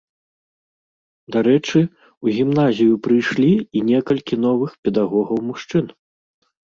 Дарэчы, у гімназію прыйшлі і некалькі новых педагогаў-мужчын.